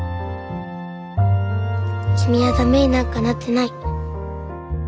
君は駄目になんかなってない。